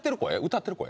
歌ってる声？